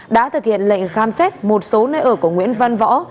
đã thực hiện lệnh khám xét một số nơi ở của nguyễn văn võ